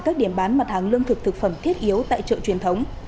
các điểm bán mặt hàng lương thực thực phẩm thiết yếu tại chợ truyền thống